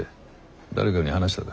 誰かに話したか？